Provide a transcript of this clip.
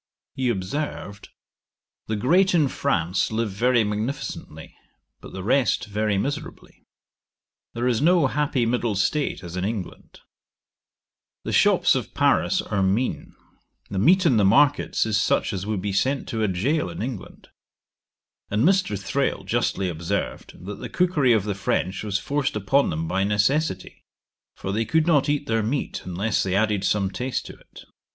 He observed, 'The great in France live very magnificently, but the rest very miserably. There is no happy middle state as in England. The shops of Paris are mean; the meat in the markets is such as would be sent to a gaol in England: and Mr. Thrale justly observed, that the cookery of the French was forced upon them by necessity; for they could not eat their meat, unless they added some taste to it.